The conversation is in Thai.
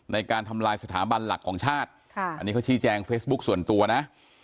ในการทำลายสถาบันหลักของชาติอันนี้เขาชี้แจงเฟซบุ๊คส่วนตัวนะ